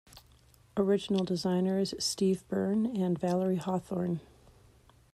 Original designers Steve Byrne and Valerie Hawthorn.